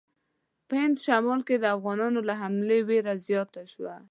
په هند شمال کې د افغانانو له حملو وېره زیاته شوه.